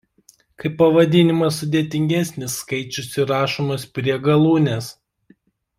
Kai pavadinimas sudėtingesnis skaičius įrašomas prie galūnės.